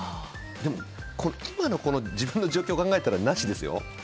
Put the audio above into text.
でも、今のこの自分の状況を考えたらなしですよ。